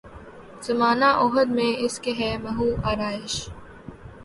زمانہ عہد میں اس کے ہے محو آرایش